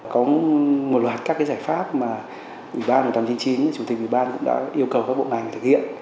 có một loạt các giải pháp mà ủy ban một nghìn tám trăm chín mươi chín chủ tịch ủy ban cũng đã yêu cầu các bộ ngành thực hiện